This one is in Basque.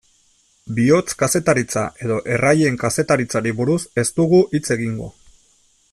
Bihotz-kazetaritza edo erraien kazetaritzari buruz ez dugu hitz egingo.